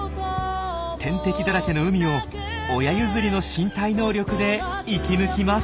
天敵だらけの海を親譲りの身体能力で生き抜きます。